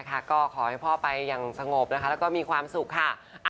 ก็ขอให้พ่อไปอย่างสงบนะคะแล้วก็มีความสุขค่ะ